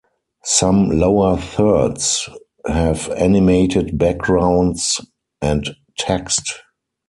Some lower thirds have animated backgrounds and text.